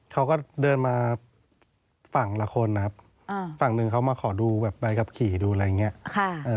เขาก็เดินมาฝั่งละคนนะครับฝั่งหนึ่งเขามาขอดูแบบใบขับขี่ดูอะไรอย่างเงี้ย